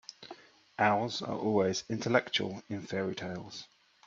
Owls are always intellectual in fairy-tales.